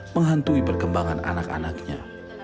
menghantui perkembangan anak anaknya